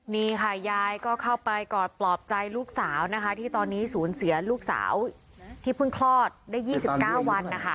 นี่ค่ะยายก็เข้าไปกอดปลอบใจลูกสาวนะคะที่ตอนนี้สูญเสียลูกสาวที่เพิ่งคลอดได้๒๙วันนะคะ